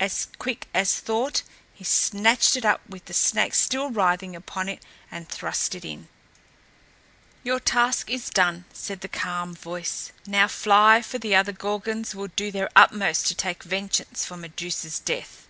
As quick as thought, he snatched it up, with the snakes still writhing upon it, and thrust it in. "Your task is done," said the calm voice. "Now fly, for the other Gorgons will do their utmost to take vengeance for Medusa's death."